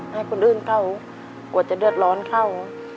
ให้คนอื่นเข้ากว่าจะเดือดร้อนเข้า